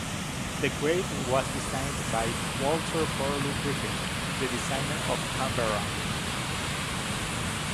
The grave was designed by Walter Burley Griffin, the designer of Canberra.